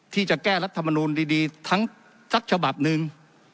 ที่จะแก้รัฐมนูลดีทั้งสักฉบับหนึ่ง